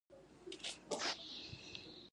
پښتو ژبه کار غواړي.